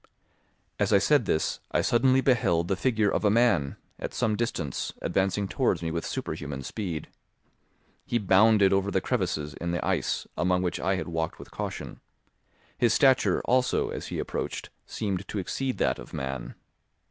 As I said this I suddenly beheld the figure of a man, at some distance, advancing towards me with superhuman speed. He bounded over the crevices in the ice, among which I had walked with caution; his stature, also, as he approached, seemed to exceed that of man.